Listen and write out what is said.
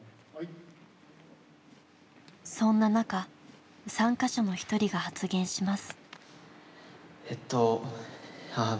そんな中参加者の一人が発言します。